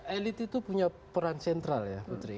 elit itu punya peran sentral ya putri